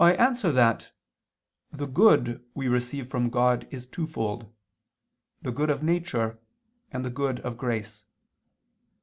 I answer that, The good we receive from God is twofold, the good of nature, and the good of grace.